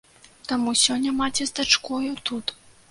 Таму сёння маці з дачкою тут.